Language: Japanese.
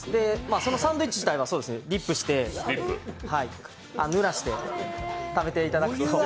そのサンドイッチ自体はディップして、ぬらして食べていただくと。